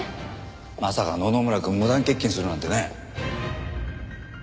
まさか野々村くん無断欠勤するなんてね。